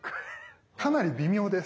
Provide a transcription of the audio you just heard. かなり微妙です。